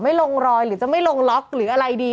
ไม่ลงรอยหรือจะไม่ลงล็อกหรืออะไรดี